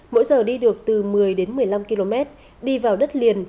mỗi giờ đi được từ một mươi đến một mươi năm km đi vào đất liền